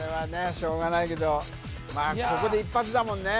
しょうがないけどまあここで一発だもんね